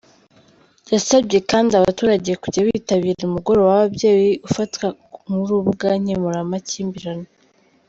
Yasabye kandi abaturage kujya bitabira umugoroba w’ababyeyi ufatwa nk’urubuga nkemuramakimbirane.